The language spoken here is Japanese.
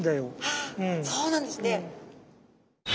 ああそうなんですね。